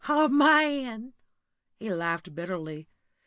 "A man!" He laughed bitterly.